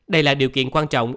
đây là điều kiện quan trọng